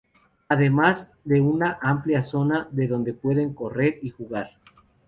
Además de una amplia zona de donde puedan correr y jugar.